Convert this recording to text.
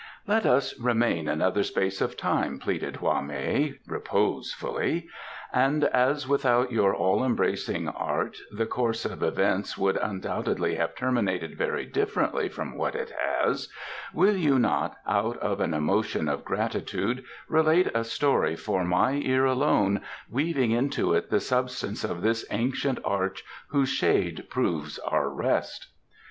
"Let us remain another space of time," pleaded Hwa mei reposefully, "and as without your all embracing art the course of events would undoubtedly have terminated very differently from what it has, will you not, out of an emotion of gratitude, relate a story for my ear alone, weaving into it the substance of this ancient arch whose shade proves our rest?"